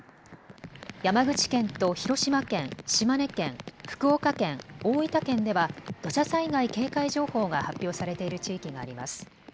山口県と広島県、島根県、福岡県、大分県では土砂災害警戒情報が発表されている地域があります。